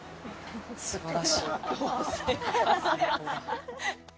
すばらしい。